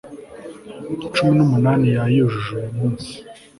cumi numunani yayujuje uyu munsi